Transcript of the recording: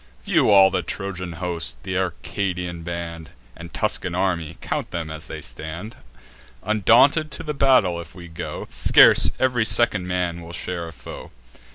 View all the Trojan host, th' Arcadian band, And Tuscan army; count 'em as they stand: Undaunted to the battle if we go, Scarce ev'ry second man will share a foe.